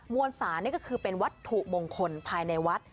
วนศาลนี่ก็คือเป็นวัตถุมงคลภายในวัด